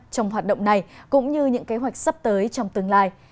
trong hoạt động này cũng như những kế hoạch sắp tới trong tương lai